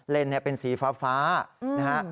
เลนส์เป็นสีฟ้านะฮะ